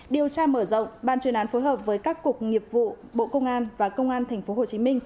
điều tra mở rộng ban chuyên án phối hợp với các cục nghiệp vụ bộ công an và công an tp hcm